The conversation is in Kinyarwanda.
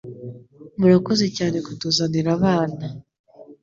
Murakoze Cyane kutuzanira abana